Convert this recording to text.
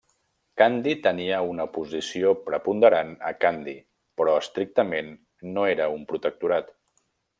Kandy tenia una posició preponderant a Kandy però estrictament no era un protectorat.